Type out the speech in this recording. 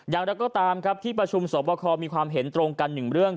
อย่างแล้วก็ตามที่ประชุมสอบวคคลมีความเห็นตรงกัน๑เรื่อง